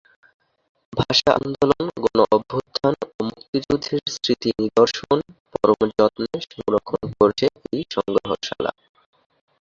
ভাষা আন্দোলন, গণঅভ্যুত্থান ও মুক্তিযুদ্ধের স্মৃতি নিদর্শন পরম যত্নে সংরক্ষণ করছে এই সংগ্রহশালা।